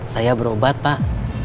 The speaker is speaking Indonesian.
saya berobat pak